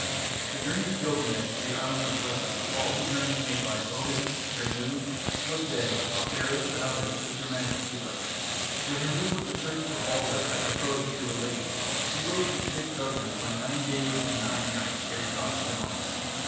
The journey of Gilgamesh to the Island of the Blessed recalls the journeys made by Odin, Hermod, Svipdag, Hotherus and others to the Germanic Hela. When Hermod went to search for Balder, as the Prose Edda relates, he rode through thick darkness for nine days and nine nights ere he crossed the mountains.